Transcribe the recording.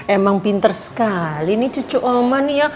emang pinter sekali nih cucu oma nih ya